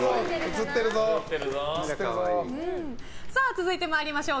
続いて参りましょう。